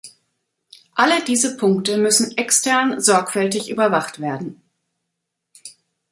Alle diese Punkte müssen extern sorgfältig überwacht werden.